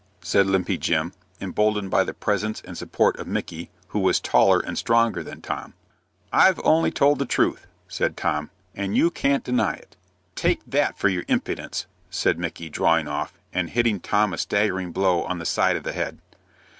said Limpy Jim, emboldened by the presence and support of Micky, who was taller and stronger than Tom. "I've only told the truth," said Tom, "and you can't deny it." "Take that for your impudence!" said Micky, drawing off, and hitting Tom a staggering blow on the side of the head.